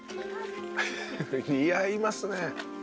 似合いますね。